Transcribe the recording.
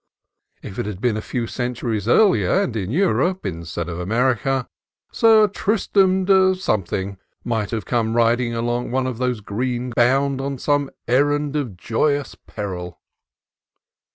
If it had been a few centuries earlier, and in Europe instead of America, Sir Tristram de Somethynge might have come riding along one of those green glades, bound on some errand of joyous peril.